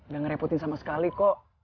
gak ngerepotin sama sekali kok